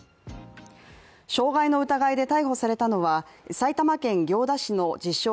傷害の疑いで逮捕されたのは埼玉県行田市の自称